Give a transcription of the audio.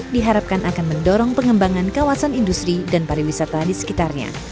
diharapkan akan mendorong pengembangan kawasan industri dan pariwisata di sekitarnya